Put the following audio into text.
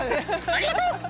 ありがとう！